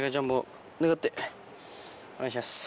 お願いします